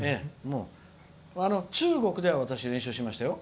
中国で私、練習しましたよ。